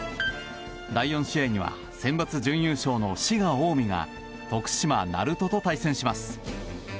第４試合にはセンバツ準優勝の滋賀・近江が徳島・鳴門と対戦します。